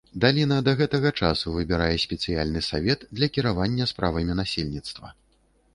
Даліна да гэтага часу выбірае спецыяльны савет для кіравання справамі насельніцтва.